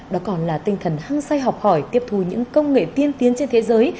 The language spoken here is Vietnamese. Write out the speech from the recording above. đó còn là tinh thần hăng say học hỏi tiếp thù những công nghệ tiên tiến trên thế giới